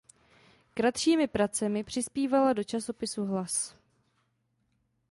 Kratšími pracemi přispívala do časopisu "Hlas".